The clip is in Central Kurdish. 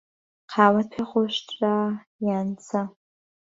قاوەت پێ خۆشترە یان چا؟